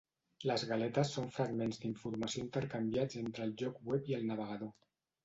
Les galetes són fragments d'informació intercanviats entre el lloc web i el navegador.